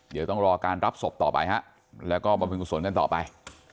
เดี๋ยวต้องรอการรับศพต่อไปฮะแล้วก็บำเพ็งกุศลกันต่อไป